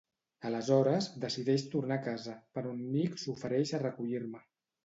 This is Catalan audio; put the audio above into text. Aleshores, decideix tornar a casa, però en Nick s'ofereix a recollir-me.